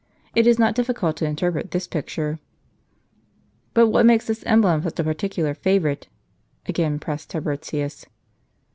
It is not difficult to interpret this picture." " But what makes this emblem such a particular favorite ?" again pressed Tiburtius.